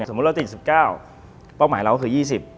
สมมติเราติด๑๙ป้องหมายเราคือ๒๐